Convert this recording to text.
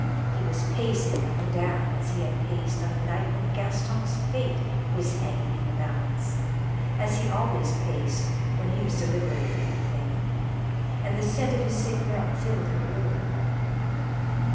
He was pacing up and down as he had paced on the night when Gaston's fate was hanging in the balance, as he always paced when he was deliberating anything, and the scent of his cigarette filled her room.